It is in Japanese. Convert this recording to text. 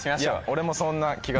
俺もそんな気がする。